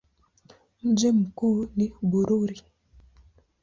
Mji mkuu ni Bururi.